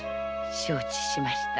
承知しました。